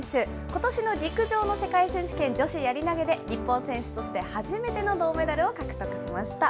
ことしの陸上の世界選手権、女子やり投げで日本選手として、初めての銅メダルを獲得しました。